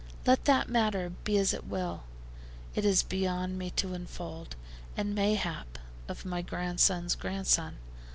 Let that matter be as it will. It is beyond me to unfold, and mayhap of my grandson's grandson.